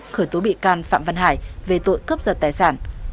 khởi tố bị can phạm văn hải về tội cướp giật tài sản